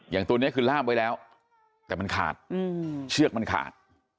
ตัวนี้คือล่ามไว้แล้วแต่มันขาดเชือกมันขาด